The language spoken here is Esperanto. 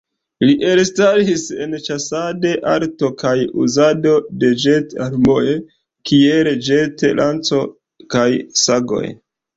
Li elstaris en ĉasad-arto kaj uzado de ĵet-armoj, kiel ĵet-lanco kaj sagoj.